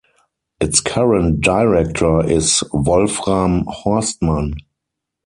Its current director is Wolfram Horstmann.